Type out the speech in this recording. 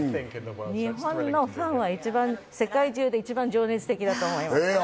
日本のファンは世界中で一番情熱的だと思います。